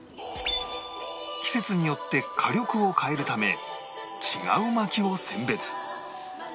季節によって火力を変えるため違う薪を選別